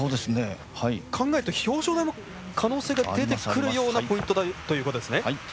考えると表彰台も可能性が出てくるようなポイントだということですね。